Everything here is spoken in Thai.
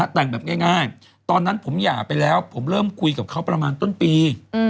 แต่งแบบง่ายตอนนั้นผมหย่าไปแล้วผมเริ่มคุยกับเขาประมาณต้นปี